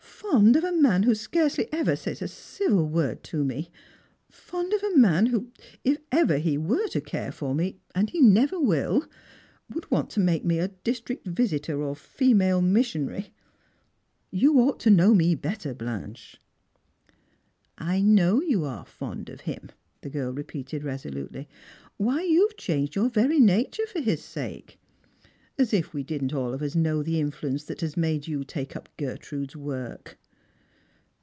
"Fond of a man who scarcely ever says a civil word to me ! Fond of a man who, if he ever wei'e to care for me — and he never will — would want to make me a district visitor or a female mission ary ! You ought to know me better, Blanche." '* I know you are fond of him," the girl repeated resolutely. " Wliy, you've changed your very nature for his sake ! As if we didn't all of us know the influenoe that has made you take up Gertrude's work